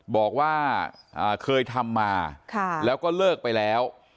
บอกว่าเคยทำมาแล้วก็เลิกไปแล้ว